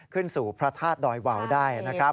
ขึ้นสู่พระธาตุดอยวาวได้นะครับ